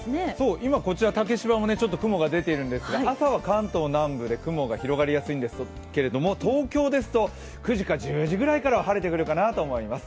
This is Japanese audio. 今こちら竹芝もちょっと雲が出ているんですが、朝は関東南部で雲が広がりやすいんですけど東京ですと９時か１０時ぐらいからは晴れてくるかなと思います。